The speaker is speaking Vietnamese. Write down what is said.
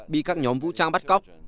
bị các nhóm vũ trang bắt cóc